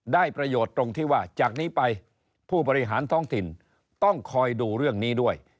ได้ประโยชน์ตรงที่ว่าจากนี้ไปผู้บริหารท้องถิ่นต้องคอยดูเรื่องนี้ด้วย